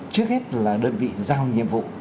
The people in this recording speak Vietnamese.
trước hết là đơn vị giao nhiệm vụ